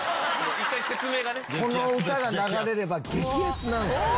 この歌が流れれば激アツなんですよ。